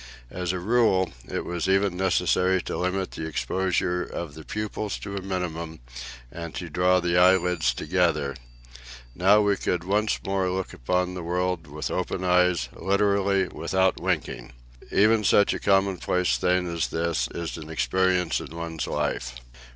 As a rule, it was even necessary to limit the exposure of the pupils to a minimum, and to draw the eyelids together. Now we could once more look on the world with open eyes, literally "without winking "; even such a commonplace thing as this is an experience in one's life.